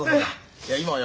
いや今よ